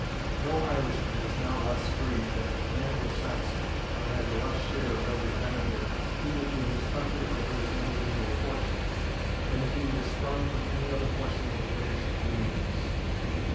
No Irishman is now less free than an Anglo Saxon, nor has a less share of every benefit either to his country or to his individual fortunes than if he were sprung from any other portion of the British dominions.